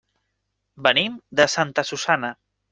Venim de Santa Susanna.